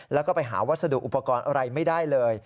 แล้วก็ไปหาวัสดุอุปกรณ์อะไรไม่ได้เลย